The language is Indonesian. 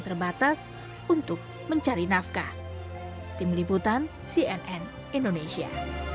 terbatas untuk mencari nafkah tim liputan cnn indonesia